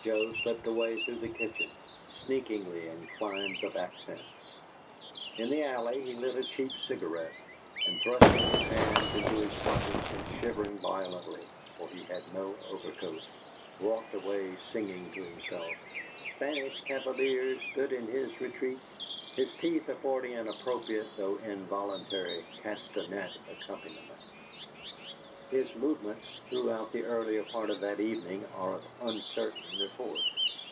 Joe slipped away through the kitchen, sneakingly, and climbed the back fence. In the alley he lit a cheap cigarette, and thrusting his hands into his pockets and shivering violently for he had no overcoat, walked away singing to himself, "A Spanish cavalier stood in his retreat," his teeth affording an appropriate though involuntary castanet accompaniment. His movements throughout the earlier part of that evening are of uncertain report.